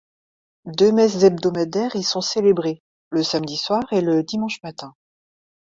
Deux messes hebdomadaires y sont célébrées, le samedi soir et le dimanche matin.